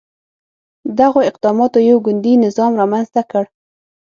دغو اقداماتو یو ګوندي نظام رامنځته کړ.